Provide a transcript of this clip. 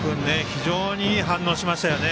非常にいい反応しましたよね。